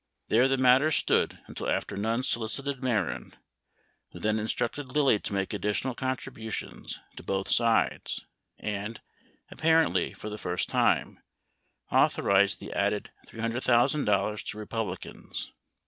There the matter stood until after Nunn solicited Mehren who then instructed Lilly to make addi tional contributions to both sides and, apparently, for the first time, authorized the added $300,000 to Republicans.